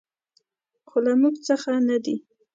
خو له موږ څخه نه دي .